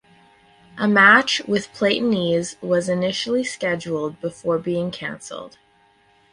A match with Platense was initially scheduled before being cancelled.